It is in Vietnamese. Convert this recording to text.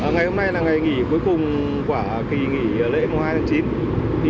ngày hôm nay là ngày nghỉ cuối cùng của kỳ nghỉ lễ hai tháng chín